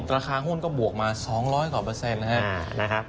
ราคาหุ้นก็บวกมา๒๐๐กว่าเปอร์เซ็นต์นะครับ